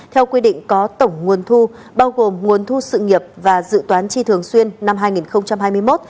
theo quy định có tổng nguồn thu bao gồm nguồn thu sự nghiệp và dự toán chi thường xuyên năm hai nghìn hai mươi một